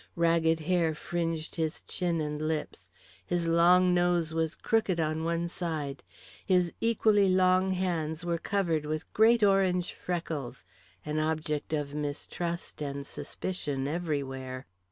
Ragged hair fringed his chin and lips. His long nose was crooked on one side; his equally long hands were covered with great orange freckles. An object of mistrust and suspicion everywhere.